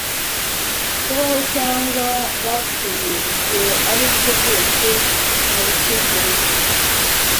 kubaho cyangwa bapfuye, ibyo aribyo byose mubitekerezo